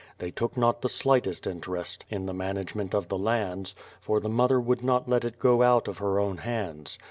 They took not the slightest interest in the management of the lands, for the mother would not let it go out of her own hands.